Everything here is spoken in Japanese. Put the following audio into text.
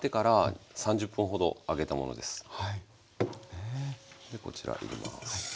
ねえ。でこちら入れます。